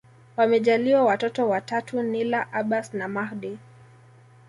Wamejaliwa watoto watatu Nyla Abbas na Mahdi